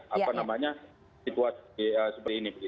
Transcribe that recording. jadi akhirnya situasi seperti ini